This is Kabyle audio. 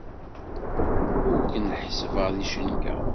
Ur ken-ḥessbeɣ d icenga.